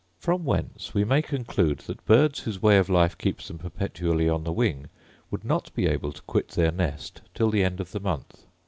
From whence we may conclude that birds whose way of life keeps them perpetually on the wing would not be able to quit their nest till the end of the month.